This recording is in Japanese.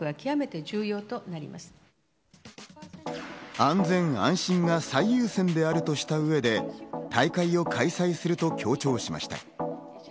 安全、安心が最優先であるとした上で大会を開催すると強調しました。